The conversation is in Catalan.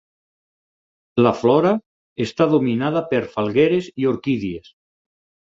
La flora està dominada per falgueres i orquídies.